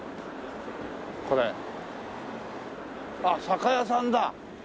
あっ酒屋さんだ。